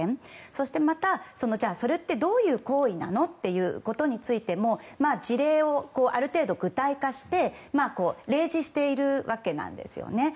そしてまた、それってどういう行為なのということについても事例をある程度、具体化して例示しているわけなんですよね。